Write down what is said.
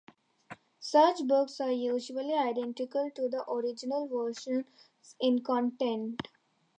Such books are usually identical to the original versions in content.